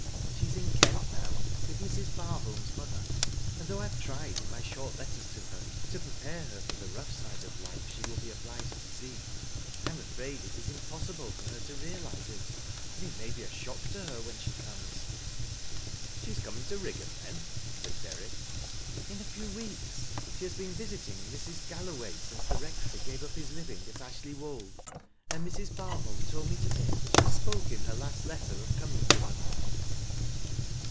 She is in Kent now, with Mrs. Barholm's mother. And though I have tried, in my sJaort letters to her, to prepare her for tlie rongh ride of life she will be obliged to see, I am afraid it is im prjssible for her to realize it, and it may be a shock to her when she comes." " She is coming to Riggan then ?" said Derrick. " In a few weeks. She has been vijiting Mrs. Gallo A X.IFFIGULT CASE. 9 way since the liector gaye up hie living at Ashley wol Je, and Mrs. Barholm told me to day that she spoke in her last letter of coming to them."